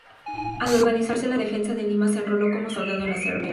Al organizarse la defensa de Lima, se enroló como soldado en la reserva.